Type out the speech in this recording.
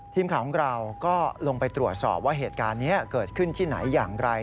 ทีมข่าวของเราก็ลงไปตรวจสอบว่าเหตุการณ์นี้เกิดขึ้นที่ไหนอย่างไร